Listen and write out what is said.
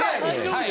はい。